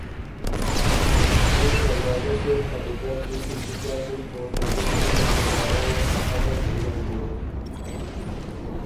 بيې شهزاده صېب ا دُوګډ دِستی چِګ داکِن او ته دِستی په اشارۀ وه ا خلق غِلئ دوک۔